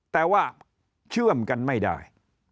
แต่ว่าเชื่อมกันไม่ได้